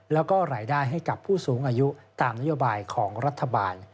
แล้วก็รายได้ให้กับผู้สูงอายุตามนโยบายของรัฐบาล